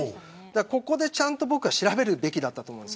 ここでちゃんと調べるべきだったと思います。